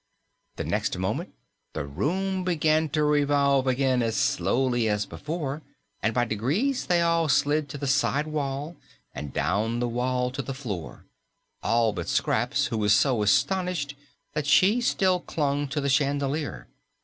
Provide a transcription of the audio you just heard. The next moment the room began to revolve again, as slowly as before, and by degrees they all slid to the side wall and down the wall to the floor all but Scraps, who was so astonished that she still clung to the chandelier.